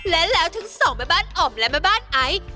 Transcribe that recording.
และแล้วถึงสองบ้านอ่อมและบ้านไอซ์